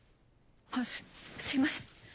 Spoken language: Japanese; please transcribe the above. あっすすいません。